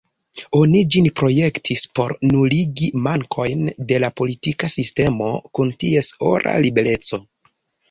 Oni ĝin projektis por nuligi mankojn de la politika sistemo kun ties ora libereco.